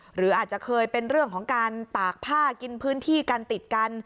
หรืออาจจะเคยเป็นเรื่องของการตากผ้ากินพื้นที่กันติดกัน